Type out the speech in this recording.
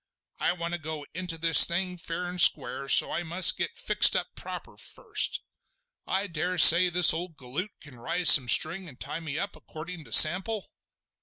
I want to go into this thing fair and square, so I must get fixed up proper first. I dare say this old galoot can rise some string and tie me up accordin' to sample?"